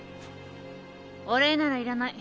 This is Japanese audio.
お礼ならいらない。